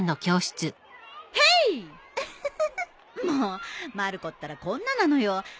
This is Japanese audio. もうまる子ったらこんななのよ。